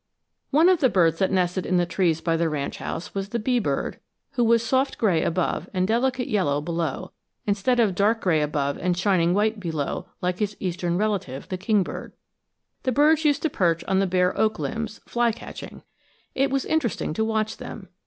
One of the birds that nested in the trees by the ranch house was the bee bird, who was soft gray above and delicate yellow below, instead of dark gray above and shining white below, like his eastern relative, the kingbird. The birds used to perch on the bare oak limbs, flycatching. It was interesting to watch them.